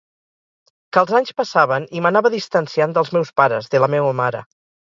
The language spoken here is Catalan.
Que els anys passaven i m'anava distanciant dels meus pares, de la meua mare...